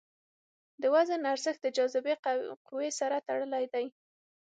د وزن ارزښت د جاذبې قوې سره تړلی دی.